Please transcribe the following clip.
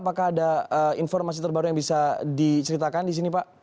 apakah ada informasi terbaru yang bisa diceritakan di sini pak